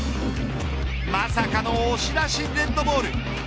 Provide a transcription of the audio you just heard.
まさかの押し出しデッドボール。